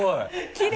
きれい。